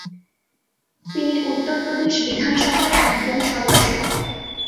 তিনি উত্তর প্রদেশ বিধানসভার একজন সদস্য।